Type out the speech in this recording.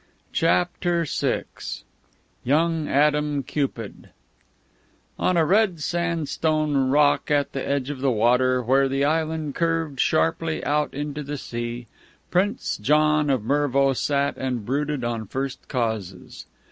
CHAPTER VI YOUNG ADAM CUPID On a red sandstone rock at the edge of the water, where the island curved sharply out into the sea, Prince John of Mervo sat and brooded on first causes.